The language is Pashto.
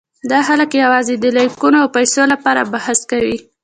دا خلک یواځې د لایکونو او پېسو لپاره بحث کوي.